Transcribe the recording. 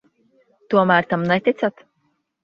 Tomēr tam neticat?